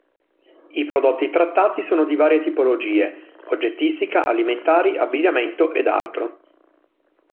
I prodotti trattati sono di varie tipologie: oggettistica, alimentari, abbigliamento ed altro.